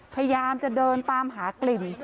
พยายามจะเดินตามหากลิ่น